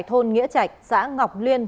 thôn nghĩa trạch xã ngọc liên